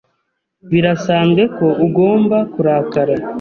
Birasanzwe ko ugomba kurakara.